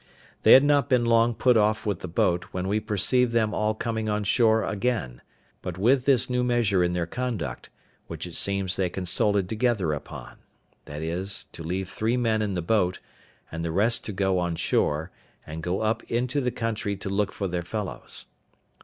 They had not been long put off with the boat, when we perceived them all coming on shore again; but with this new measure in their conduct, which it seems they consulted together upon, viz. to leave three men in the boat, and the rest to go on shore, and go up into the country to look for their fellows.